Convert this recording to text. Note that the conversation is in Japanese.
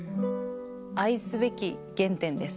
愛すべき原点です。